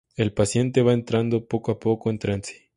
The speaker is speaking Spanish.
El paciente va entrando poco a poco en trance.